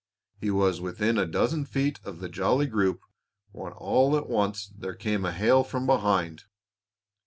He was within a dozen feet of the jolly group when all at once there came a hail from behind.